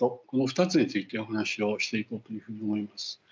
この２つについてお話をしていこうと思います。